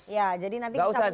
ya jadi nanti bisa menyampaikan